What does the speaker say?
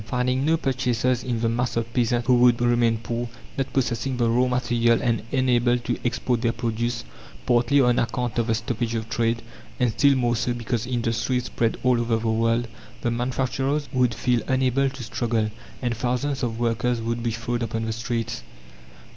Finding no purchasers in the mass of peasants who would remain poor; not possessing the raw material, and unable to export their produce, partly on account of the stoppage of trade, and still more so because industries spread all over the world, the manufacturers would feel unable to struggle, and thousands of workers would be thrown upon the streets.